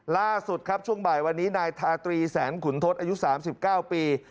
ล่าสุดครับช่วงบ่ายวันนี้นายทาตรีแสนขุนทศอายุ๓๙ปี